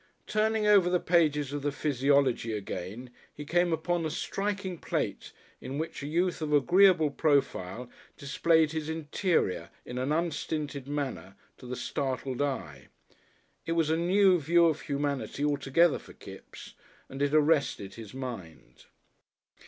Turning over the pages of the Physiology again he came upon a striking plate in which a youth of agreeable profile displayed his interior in an unstinted manner to the startled eye. It was a new view of humanity altogether for Kipps, and it arrested his mind.